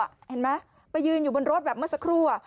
นี่ครับเฮ้นไหมไปยืนอยู่บนรถแบบเมื่อสักครู่